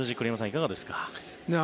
いかがですか？